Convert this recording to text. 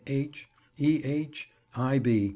H., E. H, I. B.